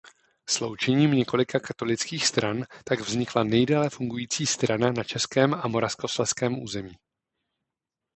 Sloučením několika katolických stran tak vznikla nejdéle fungující strana na českém a moravskoslezském území.